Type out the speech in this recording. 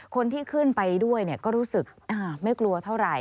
คนที่ขึ้นไปด้วยก็รู้สึกไม่กลัวเท่าไหร่